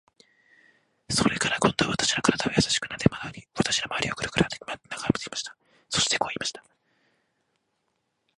それから、今度は私の身体をやさしくなでたり、私のまわりをぐるぐる歩きまわって眺めていました。そしてこう言いました。